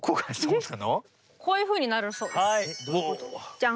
じゃん！